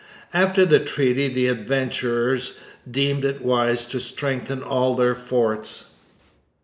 After the treaty the adventurers deemed it wise to strengthen all their forts.